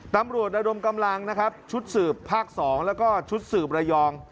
ตำรวจระดมกำลังนะครับชุดสืบภาค๒แล้วก็ชุดสืบระยอง